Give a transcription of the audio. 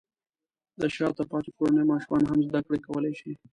د شاته پاتې کورنیو ماشومان هم زده کړې کولی شي.